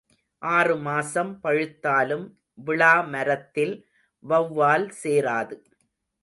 ஆறு மாசம் பழுத்தாலும் விளா மரத்தில் வௌவால் சேராது.